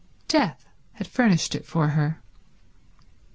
Death had furnished it for her.